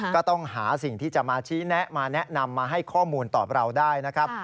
ก็ต้องหาสิ่งที่จะมาชี้แนะมาแนะนำมาให้ข้อมูลตอบเราได้นะครับ